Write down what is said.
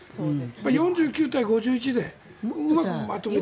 ４９対５１でうまくまとめていく。